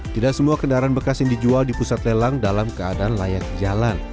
tidak semua kendaraan bekas yang dijual di pusat lelang dalam keadaan layak jalan